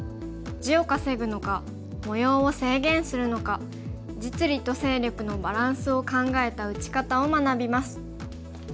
地を稼ぐのか模様を制限するのか実利と勢力のバランスを考えた打ち方を学びます。